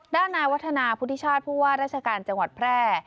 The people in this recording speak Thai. ด้านนายวัฒนาภูติชาติพฤวาสราชการจังหวัดแพร่